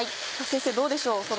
先生どうでしょう？